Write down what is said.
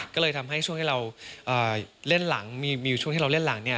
ก็เลยทำให้ช่วงที่เราเล่นหลังมีอยู่ช่วงที่เราเล่นหลังเนี่ย